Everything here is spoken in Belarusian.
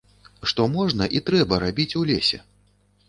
Што можна і трэба рабіць у лесе?